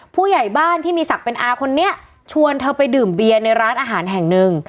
ผู้ใหญ่บ้านที่มีศักดิ์เป็นอาคนนี้ชวนเธอไปดื่มเบียร์ในร้านอาหารแห่งหนึ่ง